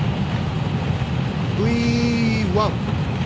Ｖ１。